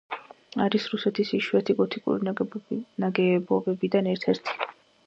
არის რუსეთის იშვიათი გოთიკური ნაგებობებიდან ერთ-ერთი.